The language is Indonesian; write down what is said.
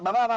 pak pak pak